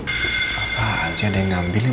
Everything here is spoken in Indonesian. apaan sih ada yang ngambil ya